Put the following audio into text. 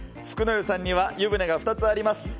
福の湯さんには湯船が２つあります。